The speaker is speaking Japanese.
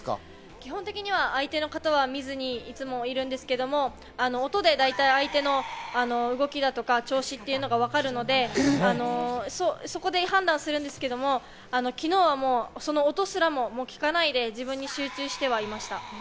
基本的には相手の形は見ずにいるんですけど、大体音で相手の動きだとか調子というのがわかるので、そこで判断するんですけど、昨日はその音すらも聞かないで、自分に集中してはいました。